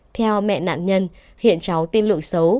theo mẹ nạn nhân hiện cháu tin lượng xấu